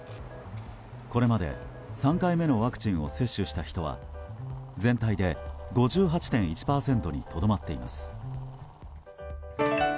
これまで３回目のワクチンを接種した人は全体で５８．１％にとどまっています。